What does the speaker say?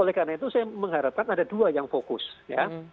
tapi saya mengharapkan ada dua yang fokus ya